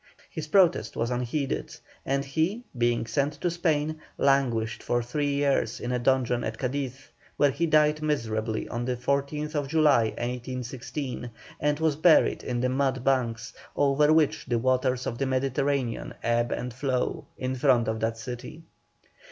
His protest was unheeded, and he, being sent to Spain, languished for three years in a dungeon at Cadiz, where he died miserably on the 14th July, 1816, and was buried in the mud banks, over which the waters of the Mediterranean ebb and flow, in front of that city.